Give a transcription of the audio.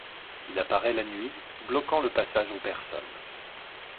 Il apparaît la nuit, bloquant le passage aux personnes.